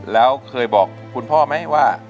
แล้วเคยบอกคุณพ่อไหมว่า